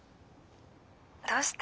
どうして？